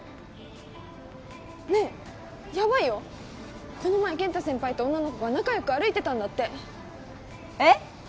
ねえヤバいよこの前健太先輩と女の子が仲よく歩いてたんだってえっ！？